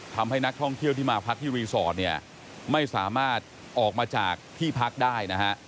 ทำให้นักท่องเที่ยวที่มาพักที่รีสอร์ทเนี่ยไม่สามารถออกมาจากที่พักได้นะฮะ